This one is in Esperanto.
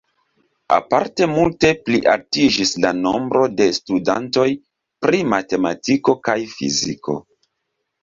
Aparte multe plialtiĝis la nombro de studantoj pri matematiko kaj fiziko.